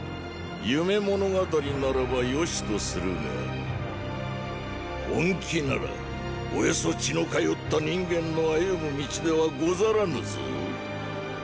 夢物語ならばよしとするが本気ならおよそ血の通った人間の歩む道ではござらぬぞ。